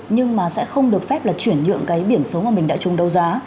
nhưng mà sẽ không được phép là chuyển nhượng cái biển số mà mình đã chung đấu giá